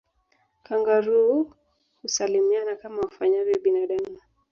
Kangaroo husalimiana kama wafanyavyo binadamu